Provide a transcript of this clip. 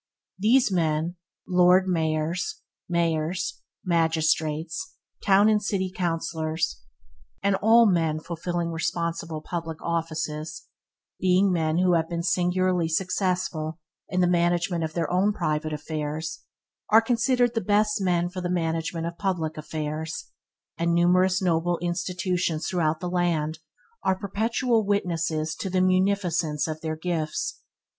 These men – Lord Mayors, Mayors, Magistrates, Town and City Councillors, and all men filling responsible public offices – being men who have been singularly successful in the management of their own private affairs, are considered the best men for the management of public affairs, and numerous noble institutions throughout the land are perpetual witnesses to the munificence of their gifts.